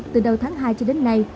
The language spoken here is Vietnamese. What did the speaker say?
từ đầu tháng hai cho đến nay